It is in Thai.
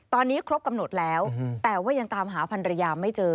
ตอนนี้ครบกำหนดแล้วแต่ว่ายังตามหาพันรยาไม่เจอ